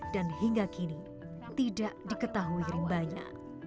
dan hingga kini tidak diketahui rimbanya